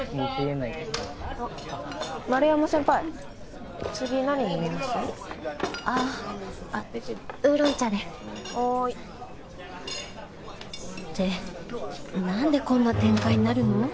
ってなんでこんな展開になるの？